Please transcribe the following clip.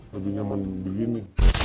lebih nyaman begini